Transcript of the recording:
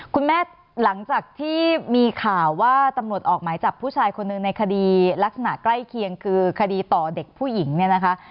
หลังจากที่มีข่าวว่าตำรวจออกหมายจับผู้ชายคนหนึ่งในคดีลักษณะใกล้เคียงคือคดีต่อเด็กผู้หญิงเนี่ยนะคะ